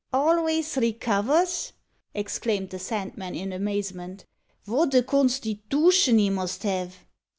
"Alvays recovers!" exclaimed the Sandman, in amazement. "Wot a constitootion he must have!"